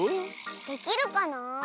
できるかな？